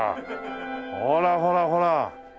ほらほらほら！